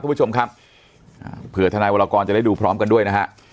คุณผู้ชมครับอ่าเผื่อทนายวรกรจะได้ดูพร้อมกันด้วยนะฮะ